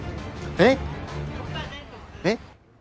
えっ⁉えっ？